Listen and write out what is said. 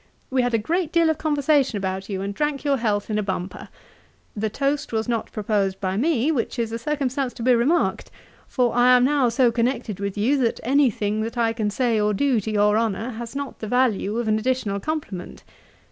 We had a great deal of conversation about you, and drank your health in a bumper. The toast was not proposed by me, which is a circumstance to be remarked, for I am now so connected with you, that any thing that I can say or do to your honour has not the value of an additional compliment.